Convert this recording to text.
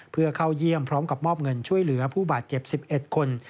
เพื่อเข้าเยี่ยมพร้อมกับมอบเงินช่วยเหลือผู้บาดเจ็บ๑๑คน